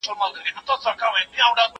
هغه زر زر جملې خو پاته سوې!!